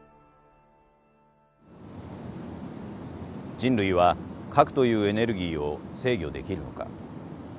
人類は核というエネルギーを制御できるのか。